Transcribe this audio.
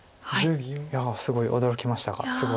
いやすごい驚きましたがすごい。